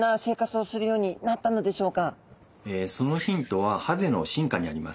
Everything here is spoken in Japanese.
そのヒントはハゼの進化にあります。